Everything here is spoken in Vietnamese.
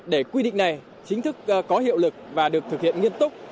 để quy định này chính thức có hiệu lực và được thực hiện nghiêm túc